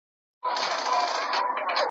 زه په اغزیو کی ورځم زه به پر سر ورځمه `